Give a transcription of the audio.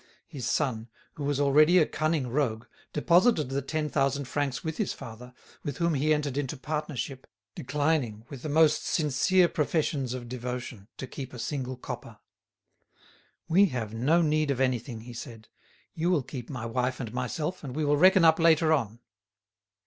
His son, who was already a cunning rogue, deposited the ten thousand francs with his father, with whom he entered into partnership, declining, with the most sincere professions of devotion, to keep a single copper. "We have no need of anything," he said; "you will keep my wife and myself, and we will reckon up later on."